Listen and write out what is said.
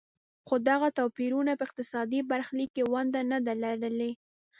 خو دغو توپیرونو په اقتصادي برخلیک کې ونډه نه ده لرلې.